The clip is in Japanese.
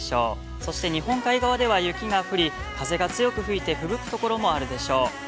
そして日本海側では雪が降り、風が強く吹いて、ふぶくところもあるでしょう。